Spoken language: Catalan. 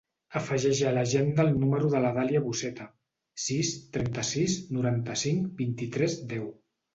Afegeix a l'agenda el número de la Dàlia Buceta: sis, trenta-sis, noranta-cinc, vint-i-tres, deu.